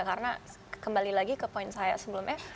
karena kembali lagi ke poin saya sebelumnya